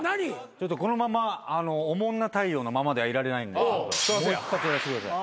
ちょっとこのままオモんな太陽のままではいられないんでもう一発やらせてください。